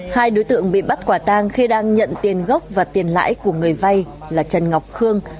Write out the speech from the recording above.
hai đối tượng bị bắt quả tang khi đang nhận tiền gốc và tiền lãi của người vay là trần ngọc khương